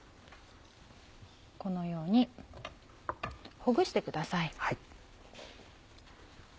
このようにほぐしてください。